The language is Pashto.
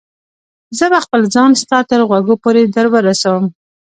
زه به خپل ځان ستا تر غوږو پورې در ورسوم.